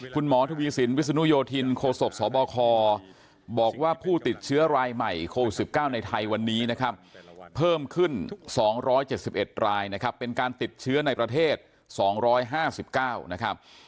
คุณหมอทวีสินวิศนุโยธินโคศกสบคบอกว่าผู้ติดเชื้อรายใหม่โควิด๑๙ในไทยวันนี้นะครับเพิ่มขึ้น๒๗๑รายนะครับเป็นการติดเชื้อในประเทศ๒๕๙นะครับ